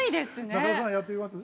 ◆中田さん、やってみます？